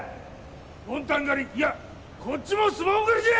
ボンタン狩りいやこっちもスマホ狩りじゃ！